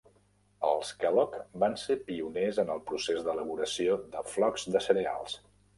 Els Kellogg van ser pioners en el procés d'elaboració de flocs de cereals.